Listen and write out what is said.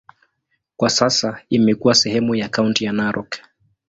Kwa sasa imekuwa sehemu ya kaunti ya Narok.